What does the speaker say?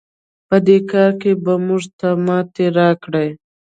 په دې کار کې به موږ ته ماتې راکړئ.